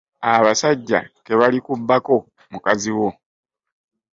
Abasajja ke balikubbako mukazi wo!